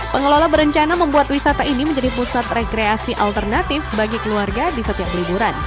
pengelola berencana membuat wisata ini menjadi pusat rekreasi alternatif bagi keluarga di setiap liburan